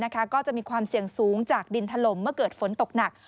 ก็จะมีความเสี่ยงสูงจากดินถล่มเมื่อเกิดฝนตกหนัก